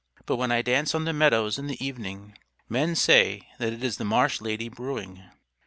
But when I dance on the meadows in the evening, men say that it is the marsh lady brewing."